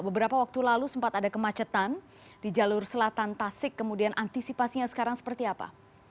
beberapa waktu lalu sempat ada kemacetan di jalur selatan tasik kemudian antisipasinya sekarang seperti apa